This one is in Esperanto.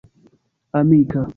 Amika.